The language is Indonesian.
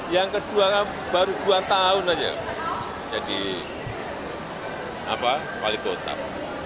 yang kedua baru dua tahun saja jadi wali potak